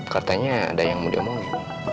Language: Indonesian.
katanya ada yang mau diomongin